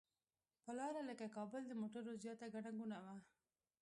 پر لاره لکه کابل د موټرو زیاته ګڼه ګوڼه وه.